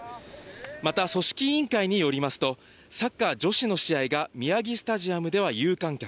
また組織委員会によりますと、サッカー女子の試合が宮城スタジアムでは有観客。